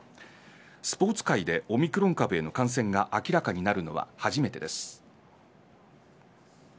スポーツ界で、オミクロン株への感染が明らかになるのは初めてです。